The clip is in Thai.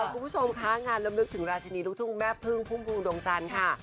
คุณผู้ชมคะงานลำลึกถึงราชินีลูกทุกแม่เพิ่งภูมิภูมิดวงจรรย์ค่ะ